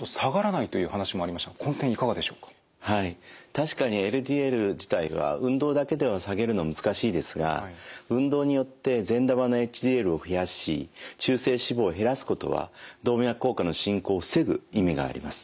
確かにＬＤＬ自体は運動だけでは下げるの難しいですが運動によって善玉のＨＤＬを増やし中性脂肪を減らすことは動脈硬化の進行を防ぐ意味があります。